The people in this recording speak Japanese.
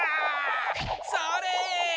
それ！